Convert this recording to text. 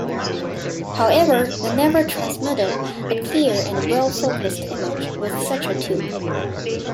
However, they never transmitted a clear and well focused image with such a tube.